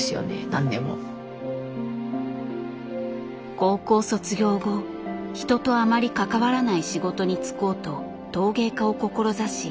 高校卒業後人とあまり関わらない仕事に就こうと陶芸家を志し